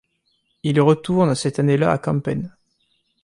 Il retourne cette année-là à Kampen.